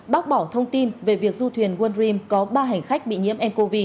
bác bỏ thông tin về việc du thuyền one rim có ba hành khách bị nhiễm ncov